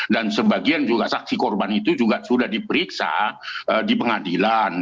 dan sebagian juga saksi korban itu juga sudah diperiksa di pengadilan